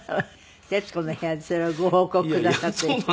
『徹子の部屋』でそれをご報告なさって。